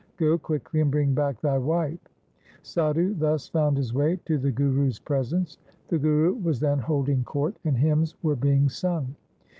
Go quickly and bring back thy wife.' Sadhu thus found his way to the Guru's presence. The Guru was then holding court, and hymns were being sung.